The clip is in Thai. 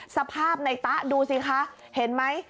สภาพในตะดูสิคะเห็นไหม